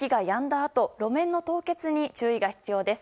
あと路面の凍結に注意が必要です。